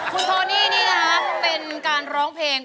คุณโทนี่นี่นะคะเป็นการร้องเพลง